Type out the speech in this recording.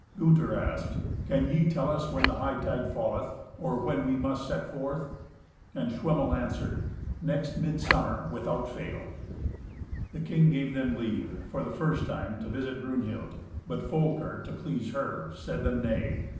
Gunther asked, "Can ye tell us when the hightide falleth, or when we must set forth?" And Schwemmel answered, "Next midsummer, without fail." The king gave them leave, for the first time, to visit Brunhild, but Folker, to please her, said them nay.